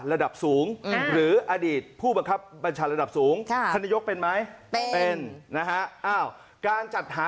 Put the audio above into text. ระดับสูงหรืออดีตผู้บังคับบัญชาระดับสูงก็แล้วเป็นไหมอ็อ